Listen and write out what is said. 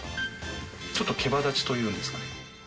ちょっと毛羽立ちというんですかね。